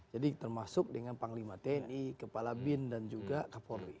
jadi termasuk dengan panglima tni kepala bin dan juga kapolri